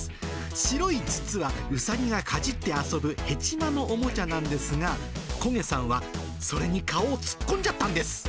白い筒は、うさぎがかじって遊ぶ、ヘチマのおもちゃなんですが、こげさんはそれに顔を突っ込んじゃったんです。